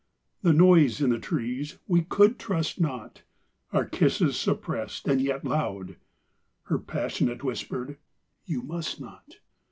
The noise in the trees we could trust not, Our kisses suppressed and yet loud; Her passionate whisper: "You must not!"